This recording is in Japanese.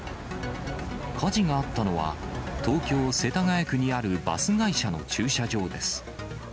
火事があったのは、東京・世田谷区にあるバス会社の駐車場です。